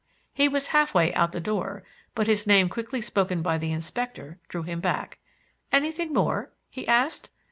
He was half way out the door, but his name quickly spoken by the Inspector drew him back. "Anything more?" he asked.